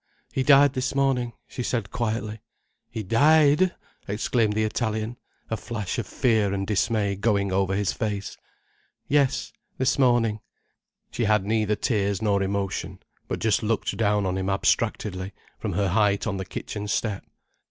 He died this morning," she said quietly. "He died!" exclaimed the Italian, a flash of fear and dismay going over his face. "Yes—this morning." She had neither tears nor emotion, but just looked down on him abstractedly, from her height on the kitchen step.